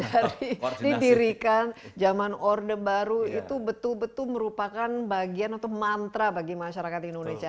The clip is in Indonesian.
dari didirikan zaman orde baru itu betul betul merupakan bagian atau mantra bagi masyarakat indonesia